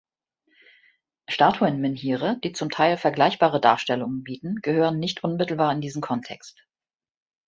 Statuenmenhire, die zum Teil vergleichbare Darstellungen bieten, gehören nicht unmittelbar in diesen Kontext.